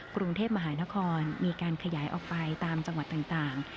กรุงเทพมหานครมีการขยายออกไปตามจังหวัดต่าง